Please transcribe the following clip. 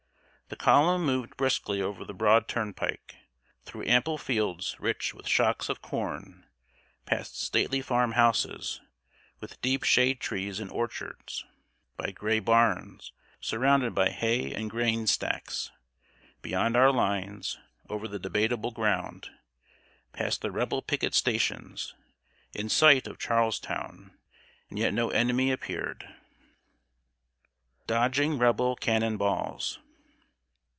The column moved briskly over the broad turnpike, through ample fields rich with shocks of corn, past stately farm houses, with deep shade trees and orchards, by gray barns, surrounded by hay and grain stacks beyond our lines, over the debatable ground, past the Rebel picket stations, in sight of Charlestown, and yet no enemy appeared. [Sidenote: DODGING REBEL CANNON BALLS.